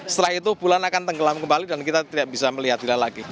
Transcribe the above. setelah itu bulan akan tenggelam kembali dan kita tidak bisa melihat tidak lagi